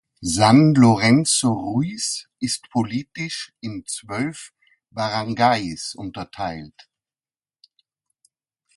San Lorenzo Ruiz ist politisch in zwölf Baranggays unterteilt.